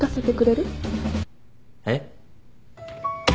えっ？